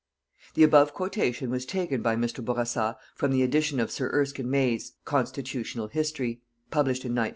The above quotation was taken by Mr. Bourassa from the edition of Sir Erskine May's "Constitutional History" published in 1912.